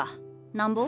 なんぼ？